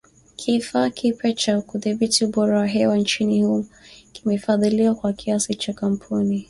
Kifaa kipya cha kudhibiti ubora wa hewa nchini humo kimefadhiliwa kwa kiasi na kampuni